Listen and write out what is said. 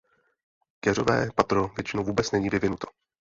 Keřové patro většinou vůbec není vyvinuto.